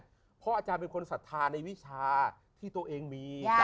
เพราะอาจารย์เป็นคนศรัทธาในวิชาที่ตัวเองมี